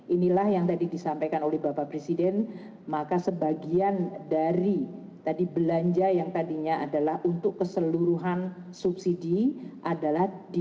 inilah yang tadi disampaikan oleh bapak presiden maka sebagian dari tadi belanja yang tadinya adalah untuk keseluruhan subsidi adalah di